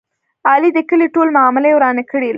علي د کلي ټولې معاملې ورانې کړلې.